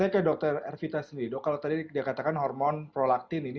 ya baik saya ke dokter r vita sendiri dok kalau tadi dia katakan hormon prolaktin ini